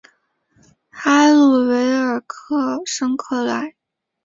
埃鲁维尔圣克莱。